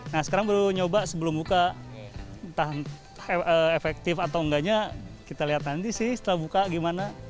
nah sekarang baru nyoba sebelum buka entah efektif atau enggaknya kita lihat nanti sih setelah buka gimana